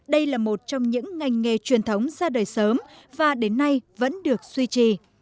đây là một trong những ngành nghề truyền thống ra đời sớm và đến nay vẫn được suy trì